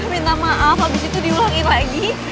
minta maaf abis itu diulangin lagi